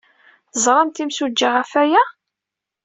Teẓramt imsujji ɣef waya?